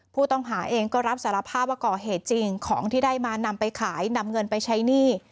ผู้ต้องหาเองก็รับสารภาพว่าก่อเหตุจริงของที่ได้มานำไปขายนำเงินไปใช้หนี้